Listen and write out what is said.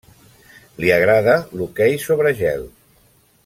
Li agrada l'hoquei sobre gel.